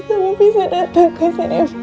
tapi saya tak tahu mbak